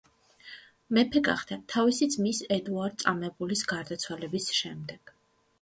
მეფე გახდა თავისი ძმის ედუარდ წამებულის გარდაცვალების შემდეგ.